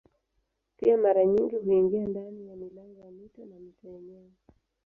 Pia mara nyingi huingia ndani ya milango ya mito na mito yenyewe.